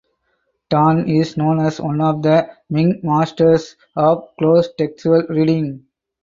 Tan is known as one of the "Ming masters of close textual reading".